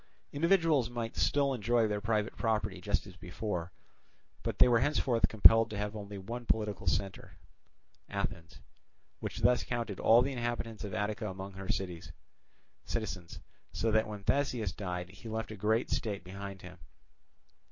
Individuals might still enjoy their private property just as before, but they were henceforth compelled to have only one political centre, viz., Athens; which thus counted all the inhabitants of Attica among her citizens, so that when Theseus died he left a great state behind him.